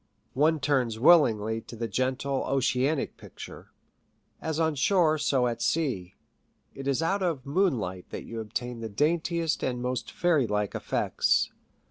One turns willingly to the gentle oceanic picture. As on shore so at sea; it is out of moonlight that you obtain the daintiest and most fairy like effects.